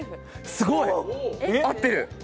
すごい！合ってる。